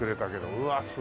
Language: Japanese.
うわっすごい。